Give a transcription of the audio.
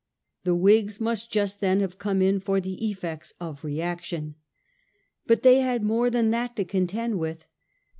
The Whigs must just then have come in for the effects of reaction. But they had more than that to contend with.